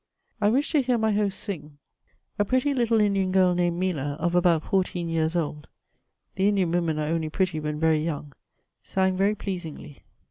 I wished to hear my hosts sing ; a pretty little Indian girl named Mila, of about fourteen years old (the Indian women are only pretty when very young), sang very pleasingly.